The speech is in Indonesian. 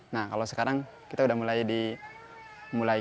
nah kalau sekarang kita sudah mulai